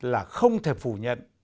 là không thể phủ nhận